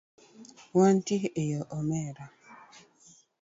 Wantie eyo omera.